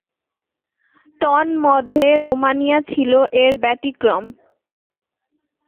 তন্মধ্যে রোমানিয়া ছিল এর ব্যতিক্রম।